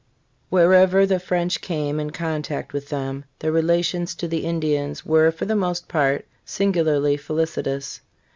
HEREVER the French came in contact with them, their rela tions to the Indians were for the most part singularly felicitous.